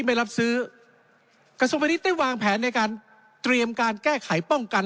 ไม่รับซื้อกระทรวงพาณิชย์ได้วางแผนในการเตรียมการแก้ไขป้องกัน